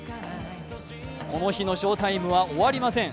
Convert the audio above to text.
この日の翔タイムは終わりません。